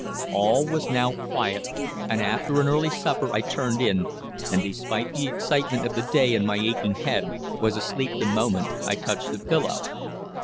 All was now quiet, and after an early supper I turned in, and, despite the excitement of the day and my aching head, was asleep the moment I touched the pillow."